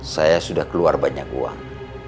saya sudah keluar banyak uang